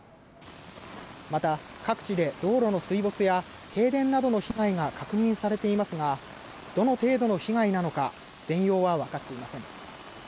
また、各地で道路の水没や停電などの被害が確認されていますが、どの程度の被害なのか、全容は分かっていません。